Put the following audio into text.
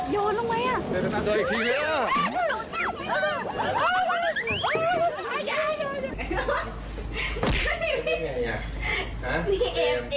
เรื่องเตียง